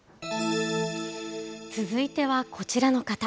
続いてはこちらの方。